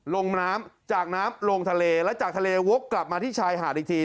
ลงน้ำจากน้ำลงทะเลแล้วจากทะเลวกกลับมาที่ชายหาดอีกที